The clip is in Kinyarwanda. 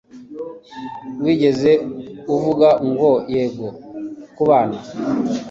wigeze uvuga ngo 'yego kubana